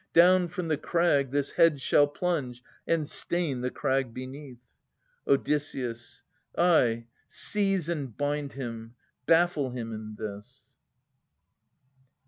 Down from the crag This head shall plunge and stain the crag beneath. Od. Ay, seize and bind him. Baffle him in this.